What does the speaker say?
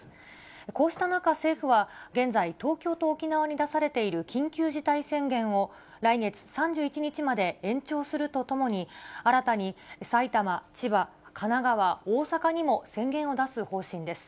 こうした中、政府は現在、東京と沖縄に出されている緊急事態宣言を、来月３１日まで延長するとともに、新たに埼玉、千葉、神奈川、大阪にも宣言を出す方針です。